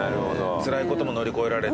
つらいことも乗り越えられた。